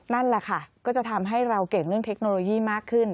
นั่นแหละค่ะก็จะทำให้เราเก่งเรื่องเทคโนโลยีมากขึ้น